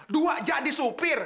dua jadi supir